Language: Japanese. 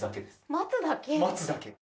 待つだけ。